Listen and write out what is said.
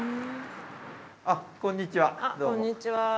あっこんにちは。